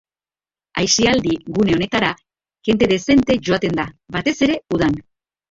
Aisialdi gune honetara jende dezente joaten da, batez ere udan.